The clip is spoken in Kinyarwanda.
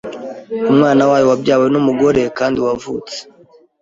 Umwana wayo wabyawe n umugore kandi wavutse